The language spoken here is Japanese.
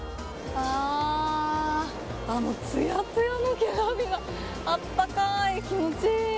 あー、もうつやつやの毛並みが、あったかい、気持ちいい。